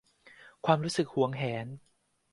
ความรู้สึกหวงแหน